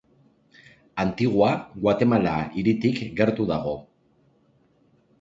Antigua Guatemala hiritik gertu dago.